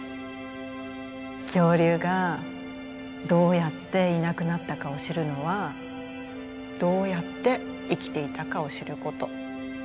恐竜がどうやっていなくなったかを知るのはどうやって生きていたかを知ること。